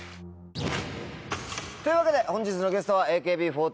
というわけで本日のゲストはＡＫＢ４８